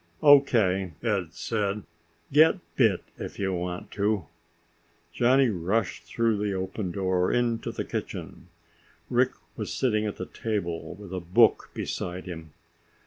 "O.K." Ed said. "Get bit, if you want to." Johnny rushed through the open door into the kitchen. Rick was sitting at the table with a book beside him.